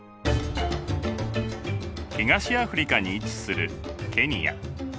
東アフリカに位置するケニア。